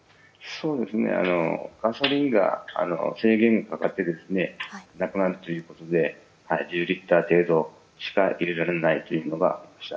ガソリンが制限かかってるんですね、なくなるということで１０リットル程度しか入れられないということでした。